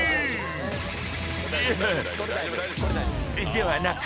［ではなく］